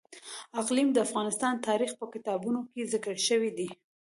اقلیم د افغان تاریخ په کتابونو کې ذکر شوی دي.